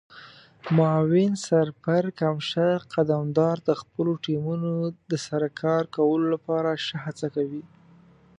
معاون سرپرکمشر قدمدار د خپلو ټیمونو د سره کار کولو لپاره ښه هڅه کوي.